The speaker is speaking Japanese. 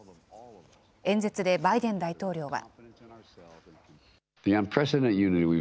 演説でバイデン大統領は。